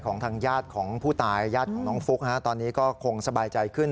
ทางญาติของผู้ตายญาติของน้องฟุ๊กตอนนี้ก็คงสบายใจขึ้น